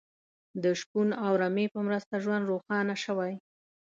د شپون او رمې په مرسته ژوند روښانه شوی.